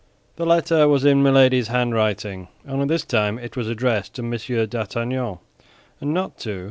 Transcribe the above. This letter was in Milady's handwriting; only this time it was addressed to M. d'Artagnan, and not to M.